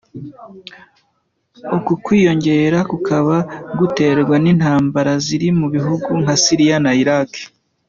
Uku kwiyongera kukaba guterwa n’intambara ziri mu bihugu nka Siria na Irak.